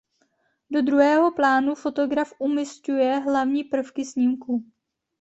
Do "druhého plánu" fotograf umísťuje hlavní prvky snímku.